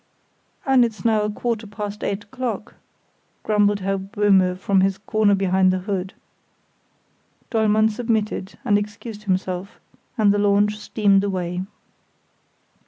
"And it's now a quarter past eight o'clock," grumbled Herr Böhme from his corner behind the hood. Dollmann submitted, and excused himself, and the launch steamed away.